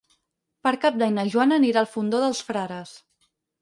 Per Cap d'Any na Joana anirà al Fondó dels Frares.